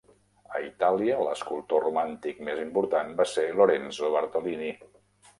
A Itàlia, l'escultor romàntic més important va ser Lorenzo Bartolini.